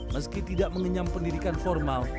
meski tidak mengenyam pendidikan formal